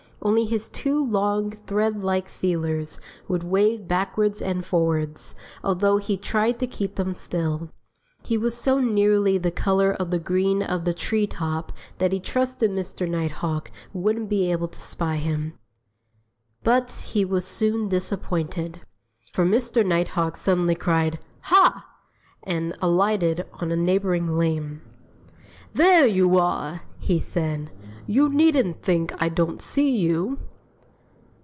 Only his two long, thread like feelers would wave backwards and forwards, although he tried to keep them still. He was so nearly the color of the green of the tree top that he trusted Mr. Nighthawk wouldn't be able to spy him. But he was soon disappointed. For Mr. Nighthawk suddenly cried, "Ha!" and alighted on a neighboring limb. "There you are!" he said. "You needn't think I don't see you!"